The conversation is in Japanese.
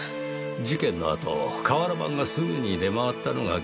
事件のあと瓦版がすぐに出回ったのが解せん。